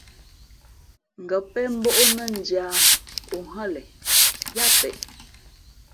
Ngα̌ pén mbᾱʼ ó nά ndhī ā ǒ hά le yáá peʼ.